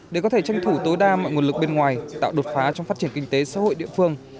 để có thể tranh thủ tối đa mọi nguồn lực bên ngoài tạo đột phá trong phát triển kinh tế xã hội địa phương